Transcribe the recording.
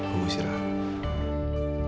gue mau istirahat